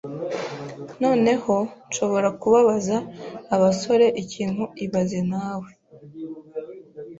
Noneho, nshobora kubabaza abasore ikintu ibaze nawe